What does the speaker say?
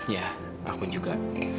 ya aku juga